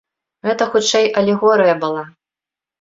Гэта хутчэй алегорыя была.